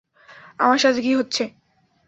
আমার সাথে কী হচ্ছে?